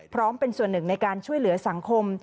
พร้อมเป็นส่วนหนึ่งในการช่วยเหลือสังคม